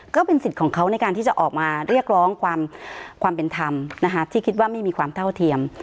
ก็เป็นสิทธิ์ของเขาในการที่จะออกมาเรียกร้องความเป็นธรรมนะคะที่คิดว่าไม่มีความเท่าเทียม